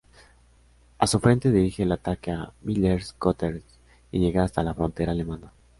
A su frente dirige el ataque a Villers-Cotterêts y llega hasta la frontera alemana.